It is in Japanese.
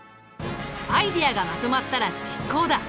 アイデアがまとまったら実行だ！